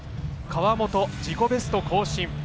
川本、自己ベスト更新。